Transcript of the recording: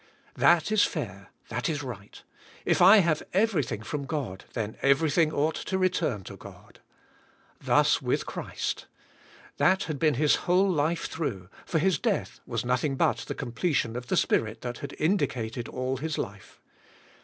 That is fair. That is rig"ht. If I have everything from God then everything oug ht to return to God. Thus with Christ. That had been His whole life throug h, for His death was nothing but the com pletion of the spirit that had indicated all His life.